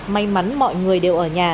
may mắn mọi người đều ở nhà